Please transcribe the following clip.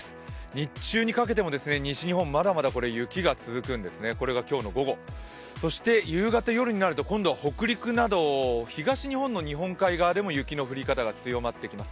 日中にかけても西日本、まだまだ雪が続くんですね、これが今日午後夕方夜になると今度は北陸など東日本の日本海側でも雪の降り方が強まってきます。